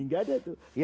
tidak ada itu